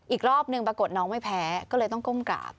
อีกรอบหนึ่งปรากฏน้องไม่แพ้ก็เลยต้องก้มกราบ